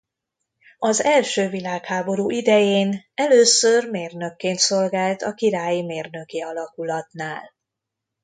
Az első világháború idején először mérnökként szolgált a Királyi Mérnöki Alakulatnál.